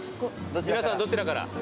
皆さんどちらから？